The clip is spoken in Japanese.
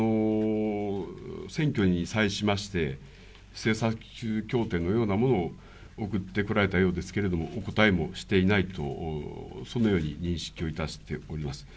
選挙に際しまして、政策協定のようなものを送ってこられたようですけれども、お答えもしていないと、そのように認識をいたしております。